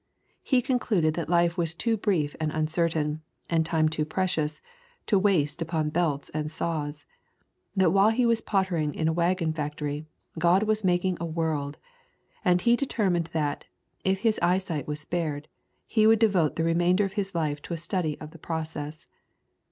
He concluded that life was too brief and uncertain, and time too precious, to waste upon belts and saws; that : while he was pottering in a wagon factory, God was making a world; and he determined that, if his eyesight was spared, he would devote the remainder of his life to a study of the process.